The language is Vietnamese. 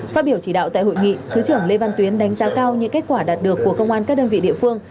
phát biểu chỉ đạo tại hội nghị thứ trưởng lê văn tuyến đánh giá cao những kết quả đạt được của công an các đơn vị địa phương